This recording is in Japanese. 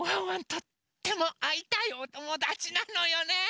とってもあいたいおともだちなのよね。